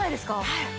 はい。